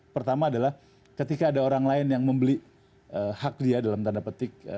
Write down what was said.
pertama adalah ketika ada orang lain yang membeli hak dia dalam tanda petik